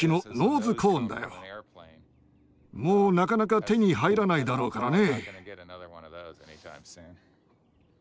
もうなかなか手に入らないだろうからね。